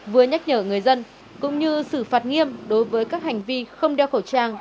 vừa nhắc nhở người dân cũng như xử phạt nghiêm đối với các hành vi không đeo khẩu trang